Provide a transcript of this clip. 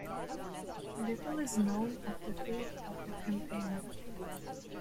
Little is known of the fate of the campaign.